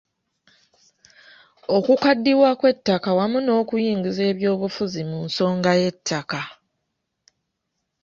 Okukaddiwa kw'ettaka wamu n'okuyingiza ebyobufuzi mu nsonga y'ettaka.